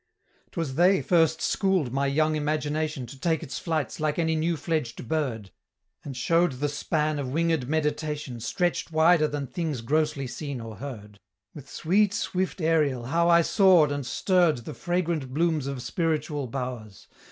"'Twas they first school'd my young imagination To take its flights like any new fledged bird, And show'd the span of winged meditation Stretch'd wider than things grossly seen or heard. With sweet swift Ariel how I soar'd and stirr'd The fragrant blooms of spiritual bow'rs!